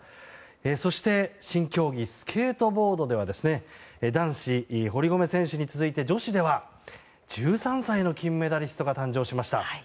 そして新競技スケートボードでは男子、堀米選手に続いて女子では１３歳の金メダリストが誕生しました。